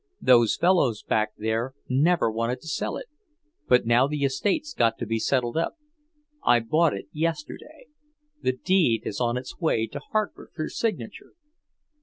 Those fellows back there never wanted to sell it. But now the estate's got to be settled up. I bought it yesterday. The deed is on its way to Hartford for signature."